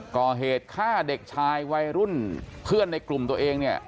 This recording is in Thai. ก่อเหตุฆ่าเด็กชายวัยรุ่นเพื่อนในกลุ่มตัวเองเนี่ย